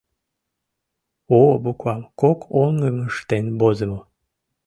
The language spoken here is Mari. «О» буквам кок оҥгым ыштен возымо.